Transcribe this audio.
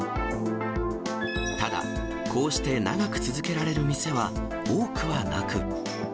ただ、こうして長く続けられる店は多くはなく。